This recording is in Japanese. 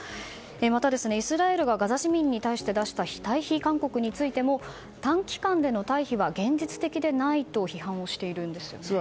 また、イスラエルがガザ市民に対して出した退避勧告についても短期間での退避は現実的でないと批判をしているんですね。